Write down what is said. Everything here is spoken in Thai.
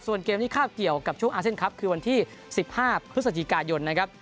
ส่วนเกมที่คาบเกี่ยวกับช่วงอาเซียนคลับคือวันที่๑๕พฤศจิกายนนะครับ